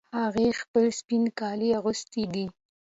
هغې خپل سپین کالي اغوستې دي